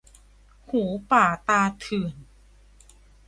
หูป่าตาเถื่อน